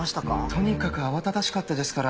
とにかく慌ただしかったですから。